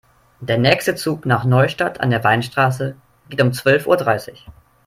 Der nächste Zug nach Neustadt an der Weinstraße geht um zwölf Uhr dreißig